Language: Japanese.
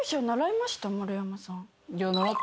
丸山さん。